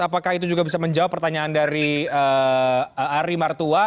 apakah itu juga bisa menjawab pertanyaan dari ari martua